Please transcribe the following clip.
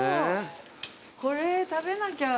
これ食べなきゃ。